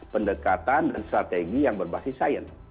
pendekatan dan strategi yang berbasis sains